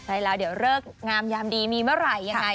ใช่แล้วเดี๋ยวเลิกงามยามดีมีเมื่อไหร่ยังไง